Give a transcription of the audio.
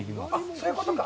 そういうことか。